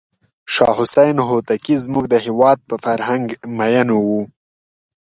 شاه حسین هوتکی زموږ د هېواد په فرهنګ مینو و.